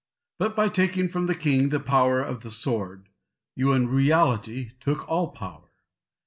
But by taking from the king the power of the sword, you in reality took all power.